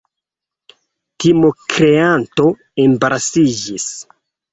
Timokreanto embarasiĝis.